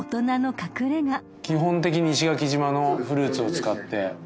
基本的に石垣島のフルーツを使って。